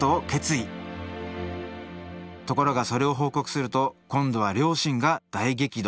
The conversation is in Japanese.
ところがそれを報告すると今度は両親が大激怒。